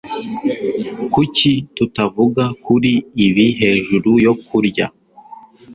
Kuki tutavuga kuri ibi hejuru yo kurya?